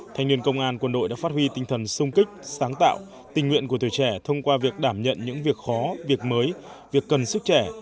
thanh niên công an quân đội đã phát huy tinh thần sung kích sáng tạo tình nguyện của tuổi trẻ thông qua việc đảm nhận những việc khó việc mới việc cần sức trẻ